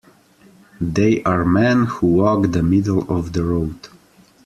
They are men who walk the middle of the road.